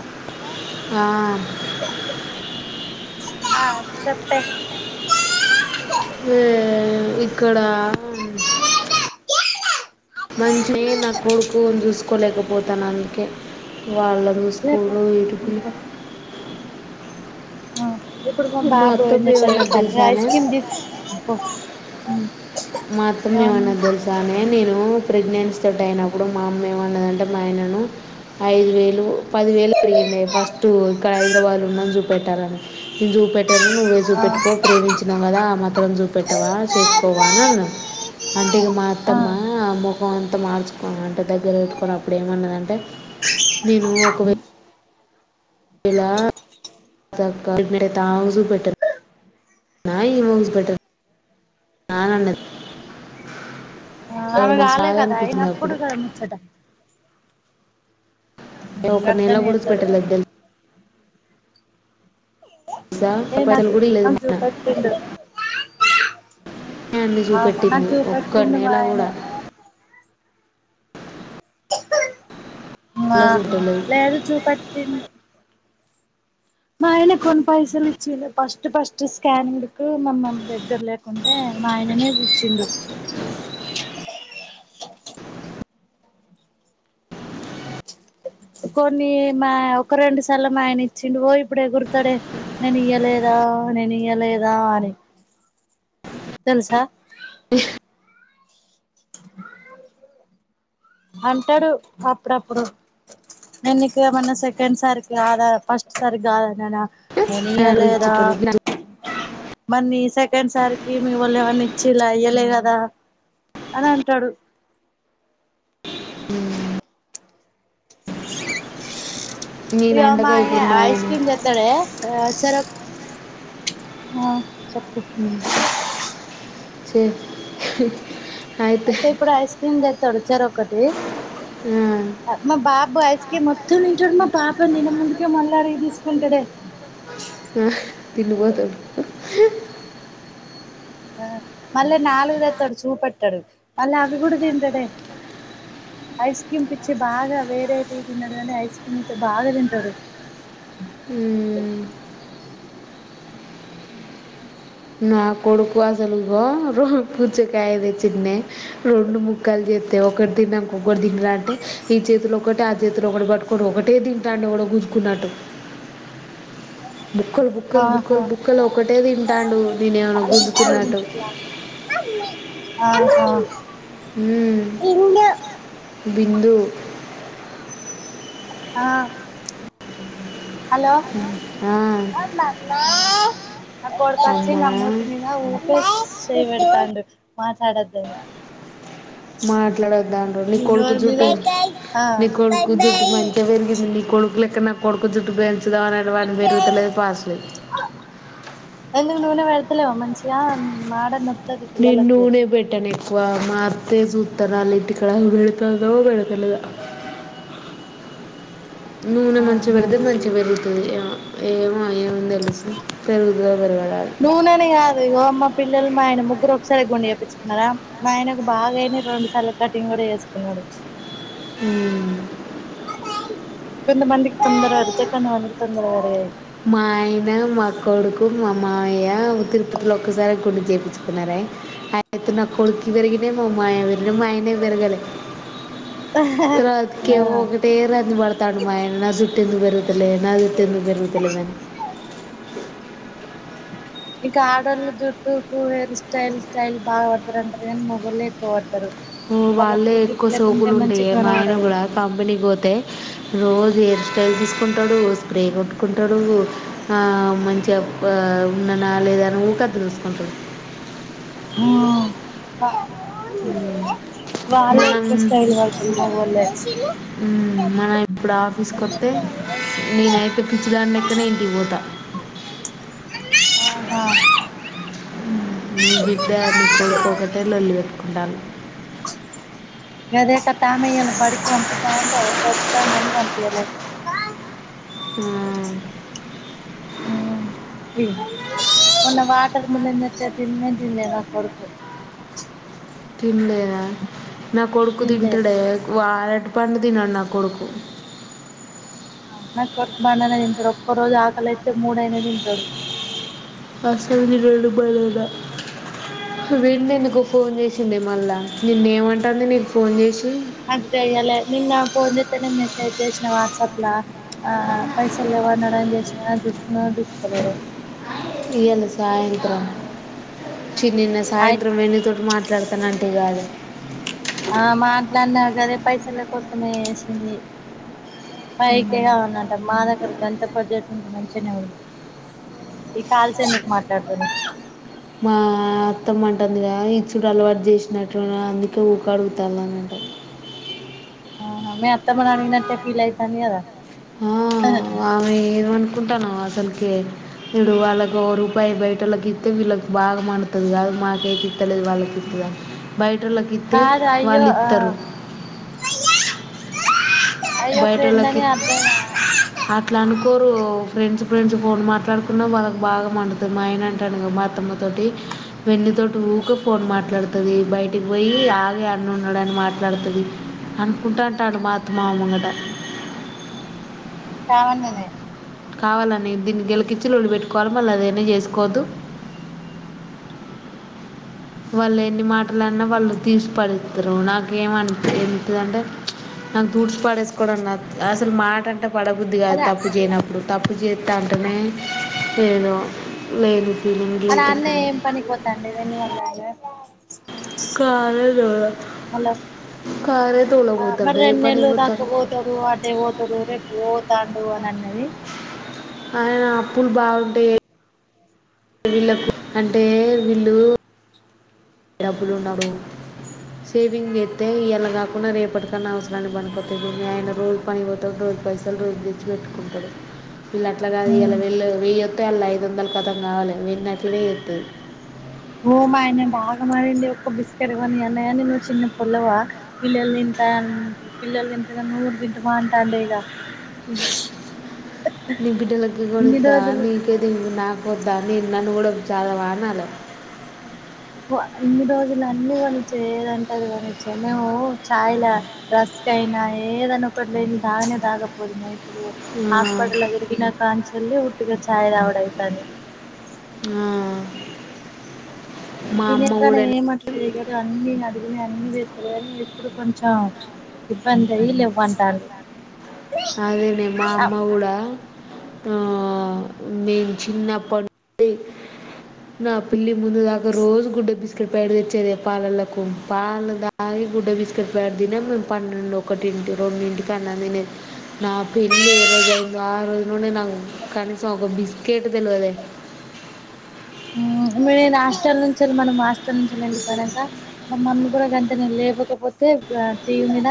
ఓహ ఆ ఆ చెప్పే ఉ ఇక్కడ మంచి నా కొడుకు చూసుకోలేకపోతాను అందుకే వాళ్ళు ర రేపు స్కూల్లో ఇడికు ఆ ఇప్పుడు మా బాబో అత్తమ్మ ఏమన్నది తెసానికి ఐస్ తెలుసానే క్రీమ్ తీసు అవును మాత్రం ఏమన్నా తెలుసానే మీరు నేను ప్రిగన్సే తోటియనపుడు మా ఆయనను అయిదు పది వేలు ఆడిగుండె ఎక్కడ ఉన్నం హైద్రాబాద్ ల ఉనం అని నువ్వేసి ఆ పెట్టుకో ప్రేమించ వచ్చినాం కదా ఆ మత్రం చూపెట్టవా చేసుకోవా అన్నాన్న అంటే ఇక మా ఆ అత్తమ్మ ముఖం అంతా మార్చుకో అంటే దగ్గర పెట్టుకున్న అప్పుడు ఏమన్నదంటే నేను ఒకవే లాం పెెట్ ఇవం పెట్ అన్నది నాకు ఆమె మస్తు కాలే బాధ కదా అనిపించింది అయినప్పుడు అప్పుడు కదా ముచ్చట ఒక నేలా అట్లనే గడుచు చెత్తడు పెెట్టలేదు తెలు ఏ పైసలు నాకు గుడి లే ఎదు నాకు మనా చూపెట్టిండు న ఎందు ఆహా నాకు చూపెటింది ఒక్క చూపెట్టిండు మా నేలా ఆయనే కూడాడా అలా ఆహా చూపెట్టలేదు లేదు చూపటి మా ఆయన కొన్ని పైసలు ఇచ్చి ఫస్ట్ ఫస్ట్ స్కానింగ్కు మమ దగ్గర లేకుంటే మా ఆయననేది ఇచ్చిడు కొన్ని మా ఒక రెండు సార్లు మా ఆయన ఇచ్చిండడు పో ఇప్పుడే గుర్తాడే నేను ఇయ్యలేదా నేను ఇయలేదా అని తెలుసా [inaudible] [unintelligible] అంటాడు అప్పుడప్పుడు నేకు ఏమన్నా సెకండ్ సారికి కాదా ఫస్ట్ సారికి కాదా ననా ఎని అ లేద ఇచ్చేటోడు మన్ని సెకండ్ సార్కి మీ వాళ్ళు ఏమన్నా ఇచ్చి ఇలా ఇయ్యలే కదా అని అంటాడు నేను ఇగ మా అండగా ఆయన ఇప్పుడు ఆఐస్క్రీమ్ జతాడే సర ఆ చెప్పు చే అయితే ఇక్కడ ఐస్ క్రీం పెట్టారు చేరొకటి, ఆ, ఒకటి మా బాబు ఐస్ క్రీం మొత్తం తింటున్నాడు, టాప్ ఇది తిన్నాక ముందుకే మల్లాడిగి తీసుకుంటడే, ఆ తిండిబోతోడు, [unintelligible] ఆ మళ్ళా నాలుగుతేతాడు చూపెట్టాడు, మళ్ళీ అవి కూడా తింటాడే, ఐస్ క్రీమ్ పిచ్చి బాగా వేరైటీ తిన్నాడు కానీ ఐస్ క్రీమ్ అయితే బాగా తింటాడు. ఉ ఉ నా కొడుకు అసలు ఇగో రోజు పుచ్చకాయ తెచ్చినే, రెండు ముక్కలు చే ఒకటి తిన్నాడు, ఇంకో నేను చుదును కాబట్టి, ఈ చేతులో ఒకటే ఆ చేతులో ఒకటి పట్టుకొని ఒకటే తింటాడె ఎవరో గుజుకున్నట్టు, బుక్క్కలు, బుక్కలు, ఆహా బుక్కలు, బుక్కలు ఒకటే తింటాడు నేను ఏమనా ఐదు గుంజుకున్నట్టు, నిమిషాలు ఆగు ఆహా ఉ బిందు, ఆ హలో ఆ నా కొడుకు వచ్చి అమ్మా నా మూతి మీద ఊకె, చేయి పెడతాండు మాట్లాడొదాన్ని, మాట్లాడొద్దు అంటాడు నీ కొడుకు నోరు మీద జుట్టు ఆ నీ కొడుకు జుట్టు మంచిగా పెరిగింది నీ కొడుకు అయితే నా కొడుకు జుట్టు పె నువ్వు అనట్టు వానిది పెరుగుతా లేదు పాస్ లేదు, ఎందుకు నూనె పెడతాలేవా మంచిగా మడ్డ మేత, నేను నూనె పెట్టనే, మాకురో చూస్తా కానీ ఇప్పటోలు నూనె కూడా పెడతాలే, నూనె మంచి ఆహా పెడితే మంచి పెరుగుతుంది, ఆ ఏమో ఎంఉండదు పెరుగుతదా, పెరగదాని, నూనెని కాదు ఇగో మా పిల్లలు మా ఆయన ముగ్గురు ఒకసారి గుండు చేయించుకున్నారా, మా ఆయన కి బాగా పెరిగినాయి, రెండు సార్లు కటింగ్ కూడా చే సుకున్నాడు. ఉ కొంత మందికి తొందర పెరుగుతాయి, కొంత మందికి తొందర పెరగవు, మా ఆయన మా కొడుకు మా మామయ్య తిరుపతిలో ఒక్కసారి గుండు చేయిం చుకున్నారా, అయితే నా కొడుకు పెరిగిన మా మామయ్య కి పెరిగినాయి మా ఆయనకి పెరగాలే, ఇగా ఆ ఒకటే రాంది పడతాండు మా ఆయన జుట్టెందుకు పెరుగుతలేదే, నా జుట్టెందుకు పెరుగుతా [inaudible] ఇకా ఆడోళ్ళ జుట్టుకు హెయిర్ స్టైల్ స్టైల్ బాగా పడతారంటారు కానీ మొగోళ్ళే ఎక్కువడతారు వాళ్ళే ఎక్కువ సోకులు మంచిగ ఉంటాయ మా ఆయన కనపడదు కూడా కంపెనీకి పోతే హు రోజు హెయిర్ స్టైల్ తీసుకుంటాడు స్ప్రే కొట్టుకుంటాడు ఆహ్ మంచిగా ఉన్నానా లేదాన్న ఊక అద్దం లో చూసుకుంటాడు హ బ వాళ్లే మనం ఎక్కువ స్టైల్ వడతారు మొగోళ్ళే మన ఇప్పుడు ఆఫీసుకోత్తే నేనయితే పిచ్చిదానిలెక్క అక్కనేంటి పోతా ఆహా నీ బిడ్డ నీ కొడుకో ఒకటే లొల్లి పెట్టుకుంటాన్నారు గదేకతా బడికి పంపిద్దామంట వద్దద్దని పంపిలా ఆ ఆహ్ హ్మ్మ్ మమ్మీ మొన్న వాటర్ మిలన్ తెత్తే తిన్నే తిన్లేదు నా కొడుకు తిన్లే నా కొడుకు తినలే తింటాడే వార పండు తినడు నా కొడుకు అవు నా కొడుకు బనానా తింటాడు ఒక్క రోజు ఆకలియితే మూడైన తింటాడు అసలు [unintelligible] విడి ఎందుకు ఫోన్ చేసిండే మళ్ళా నిన్న ఏమంటాంది నీకు ఫోన్ చేసి నాకు చెయ్యాలె నిన్న ఫోన్ చేతేనే మెసేజ్ చేసిన వాట్సాప్లా ఆ పైసలు లేవన్నాని చేసినా చూసుకుని చూసుకోలేడు ఇయ్యాల సాయంత్రం చీ నిన్న అయి సాయంత్రం మీ నేన్ నీతోటి మాట్ల మాట్లాడతానంటివి కాదు ఇట్లాన్న గదే పైసల కోసమే ఏసింది పైకే ఆమే మా దగ్గర గంత బడ్జెట్ ఉంటే మంచిగానే ఉంది ఈ కాల్స్ ఎందుకు మాట్లాడతాను మా అత్తమ్మంటుందిగాని ఇచ్చుడు అలవాటు చేసినట్టు ఉన్నారు అందుకే ఊకే అడుగుతున్నారంట మీ అత్తమ్మని అడిగినట్టే ఫీల్ అయితాంది కదా ఆ ఆమె ఏమను అనుకుంటానావు అస్సల్కే వీడు వాళ్ళకు ఒక రూపాయి బయట వాళ్ళకి ఇత్తె వీళ్ళకి బాగా మండుతది కదా మాకైతే తెలిదు వాళ్ళకి ఇప్పియాలి బయటోళ్లకి ఇత్తె కాదు అయ్యో ఆ వాళ్ళిత్తరు అయ్యో ఫ్రెండ్ అని అద్ద కోరు ఫ్రెండ్స్ ఫ్రెండ్స్ ఫోన్ మాట్లాడుకున్నా వాళ్ళకు బాగా మండుతది మా ఆయన అంటాడు ఇగ మా అత్తమ్మతోటి వెన్నితోటి ఊక్కే ఫోన్ మాట్లాడుతది బయటికి పోయి ఆగే అన్ను ఉన్నాడని మాట్లాడుతది అనుకుంటా అంటాడు మా అత్తమ్మ ముంగట త కావాళ్ళ అనే కావాలని దీన్ని గెలకిచ్చి లోళ్లి పెట్టుకోవాలే మళ్ళీ అదేన్చేసుకోద్దు హ్మ్మ్ వాళ్ళు ఎన్ని మాటలు అన్నా వాళ్ళు తీసి పడేత్తారు నాకేమనిపీత్తదంటే నాకు తూడ్సి పడేసుకోవడం న అసలు మాట అంటే పడబుద్ది కాదు మరి తప్పు చేయనప్పుడు తప్పు చేత్తాంటనే చేయను అను అన్న ఏం పనికిపోతండే [unintelligible] కారే తోల కారే ఆ మరి తోలబోతాడు ఏ పని రెన్నెళ్లు దాక పోతాడు ఆటే పోతాడు రేపు పో తాండు అని అన్నది అయినా అప్పులు బాగుంటై వీళ్ళక్ అంటే వీళ్ళు [unintelligible] అబ్బులు ఉన్నాడు సేవింగ్ చెత్తే ఇయ్యాల కాకున్నా రేపటికన్నా అవసరానికి పనికొత్తది ఆయన రోజు పనిపోతాడు రోజు పైసలు రోజు తెచ్చి పెట్టుకుంటాడు. వీళ్ళు అట్లా కాదు ఇయ్యాల వెళ్ళ వెయ్యోత్తే ఆళ్ళు ఐదు వందలు ఖతం కావాలి వెళ్ళినట్లే చేత్తది. ఓమ్మ ఆయన బాగా మారిండే ఒక్క బిస్కెట్ కొని అన్నాయ్యని నువ్వు చిన్న పుల్లవా పిల్లల్ని తింట పిల్లల్ని దింటగా నువ్వు గూడా దింటవ అంటాండే ఇగా. నీ బిడ్డెల ఇన్ని రోజులు [unintelligible] నాకు వద్దా నీ నన్ను గూడా చాలా వాగినాడు ప ఇన్ని రోజులు అన్నీ కొనిచ్చా ఏదంటే అది కొనిచ్చా మేము చాయ్ ల రస్క్ అయినా ఏదన్నా ఒకటి లేనిది తాగనే తాగకపోదుము. ఇ ప్పుడు ఆ హాస్పిటల్లా తిరిగిన కాంచ్ వెళ్లి ఉట్టిగా చాయ్ తాగుడు అయితాది. ఆ మా తినే అమ్మ పనే కూడానే ఏం అట్లా చేయరు అన్ని అ ప్పుడు ఇంకా అన్ని తెత్తడు కాని ఇప్పుడు కొంచెం ఇబ్బంది అయ్యి లెవ్వంటాండు. అదేనే మా అమ్మ గూడా ఆ నేను చిన్నప్పటి నుండి నా పెల్లి ముందు దాకా రోజు గుడ్డె బిస్కెట్ పాకెట్ తెచ్చేదే పాలల్లకు పాలు దాగి గుడ్డె బిస్కెట్ పేకెట్ తినే అప్పుడు పన్నెండు, ఒకటింటి, రెండింటికి అన్నం తినేది. నా పెళ్లి ఏ రోజైందో ఆ రోజు నుండి నాకు కనీసం ఒక బిస్కెట్ తెల్వదే. మ్ నేన్ హాస్టల్ నుంచెలి మనం హాస్టల్ నుంచి [unintelligible] గనక మా మమ్మీ గుడా గంతే నేను లేవకపోతే గా టీవీ మీద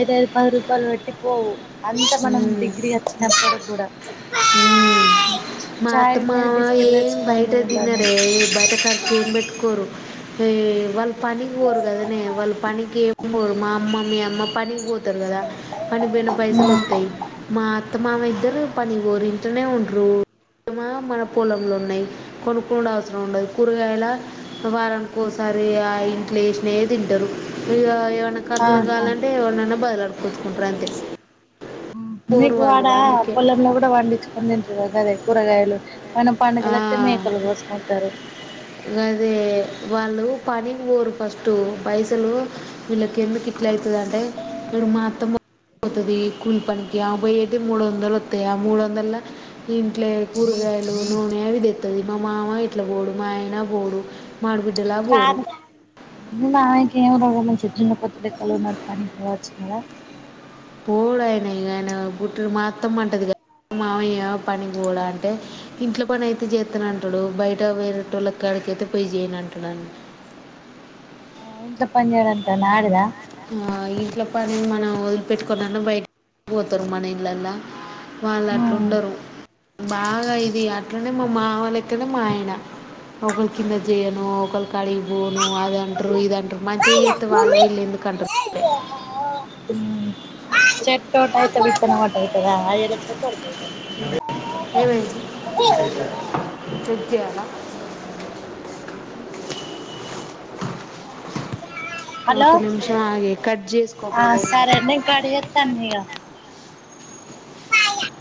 ఐదు ఐదు పది రూపాయలు పెట్టి పోవు అంత మనం మ్మ్. డిగ్రీ అచ్చినప్పుడు గూడా మా చాయ్ ఉండేది అత్తమామ బిస్కెట్ ఏం తెచ్చుకొని బయట తినుడనే దినరే. ఏం బయట ఖర్చేం పెట్టుకోరు. ఏ వాళ్ళు పనికి పోరు గదనే, వాళ్ళు పనికి ఏం పోరు మా అమ్మ మీ అమ్మ పనికి పోతారు గదా. పనికిపోయిన పైసలు ఒత్తయ్. మా అత్తమామ ఇద్దరు పని పోరు ఇంట్లనే ఉంట్రూ [inaudible] మా మనకి పొలం లున్నాయి కొనుక్కొనుడు అవసరం ఉండదు కూరగాయలా వారానికోసారి ఆ ఇంట్ల ఏసినయ్యే తింటారు ఇగా ఏమ్ మన్న ఖర్చులకు ఆహా కావాలంటే ఎవరినన్నా బదలాడ్ కొచ్చుకుంటరంతే మీకు ఆడా పొలంలో గూడా పండిచ్ కోని తింటారు గదే కూరగాయలు. మన పండుగలొత్తే మేకలు కోసుకుంటారు. గదే వాళ్ళు పనికి పోరు ఫస్ట్. పైసలు వీళ్ళకి ఎందుకు ఇట్లా అయితది అంటే ఇడ మా అత్తమ్మ పోతది కూలి పనికి. ఆ పోయ్యేటి మూడు వందలు ఒత్తయ్. ఆ మూడు వందల్ల ఇంట్లే కూరగాయలు, నూనె అవి తెత్తది మా మామ ఇట్లా పోడు. మాయన బోడు మా ఆడిబిడ్డలా బోరు ఆమకేం రోగం వచ్చి దున్నపోతు లెక్కలవున్నరు పనికి పోవచ్చు కదా పోడు ఆయన ఇగ ఆయన గుట్టలు మాత్తంమంటది గా మామయ పనికి పోడా అంటే, ఇంట్ల పని అయితే చేత్తనంటడు. బయట వేరేటోళ్ళ కాడికి అయితే పోయి చేయనంటడని. ఆ ఇంట్ల పనిచేయడానికి ఏమన్న ఆడిదా ఆ ఇంట్ల పని మనం వదిలిపెట్టుకొనన్నా బయట పోతరు మన ఇండ్లల్లా వాళ్ళట్ల ఉమ్ ఉండరు, బాగా ఇది అట్లనె మా మామ లెక్కనే మా ఆయన ఒకలి కింద చేయను, ఒకల్ కాడికి పోను అది అంటరు ఇదంటరు మంచిగా చేత్తే వాళ్ళు వీళ్ళు ఎందు కంటర్ కె చెట్టోటైతే ఆయితే, విత్తనం ఓటైతదా అయితదా అయ్యలెక్క కొడుకైతడు. ఏమైంది చెక్ జేయాల? హలో ఒక నిమిషం ఆగి కట్ చేసుకో ఆ పదిహేను సరే నేన్ కట్ జెత్త నిగ